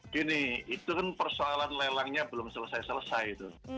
gini itu kan persoalan lelangnya belum selesai selesai itu